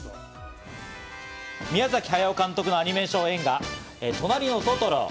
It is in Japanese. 宮崎駿監督のアニメーション映画『となりのトトロ』。